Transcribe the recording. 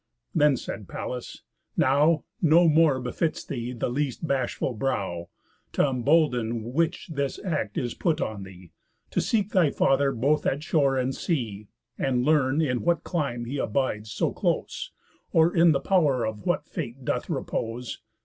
Then said Pallas: "Now No more befits thee the least bashful brow; T' embolden which this act is put on thee, To seek thy father both at shore and sea, And learn in what clime he abides so close, Or in the pow'r of what Fate doth repose.